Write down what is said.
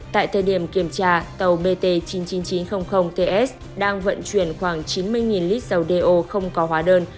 tại thời điểm kiểm tra tàu bt chín mươi chín nghìn chín trăm linh ts đang vận chuyển khoảng chín mươi lít dầu đeo không có hóa đơn